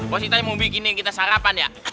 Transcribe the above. bos itai mau bikin kita sarapan ya